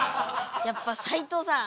やっぱ斉藤さん